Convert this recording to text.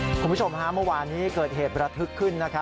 คุณผู้ชมฮะเมื่อวานนี้เกิดเหตุระทึกขึ้น